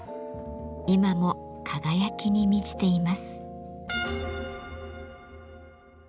今も輝きに満ちています。